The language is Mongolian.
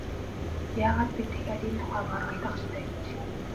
Яагаад бид дахиад энэ тухай маргалдах ёстой гэж?